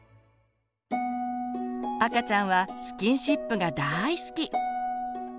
赤ちゃんはスキンシップが大好き。